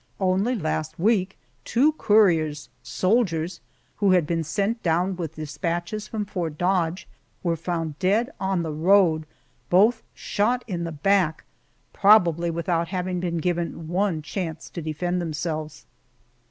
Only last week two couriers soldiers who had been sent down with dispatches from Fort Dodge, were found dead on the road, both shot in the back, probably without having been given one chance to defend themselves.